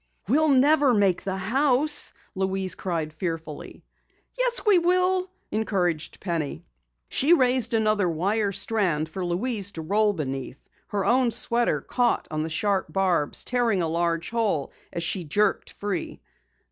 "We'll never make the house," Louise cried fearfully. "Yes, we will," encouraged Penny. She raised another wire strand for Louise to roll beneath. Her own sweater caught on the sharp barbs, tearing a large hole as she jerked free.